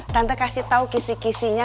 tante kasih tau kisih kisihnya